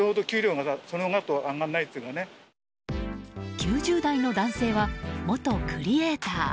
９０代の男性は元クリエーター。